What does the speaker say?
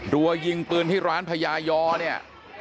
รัวยิงปืนที่ร้านพญายอเนี่ย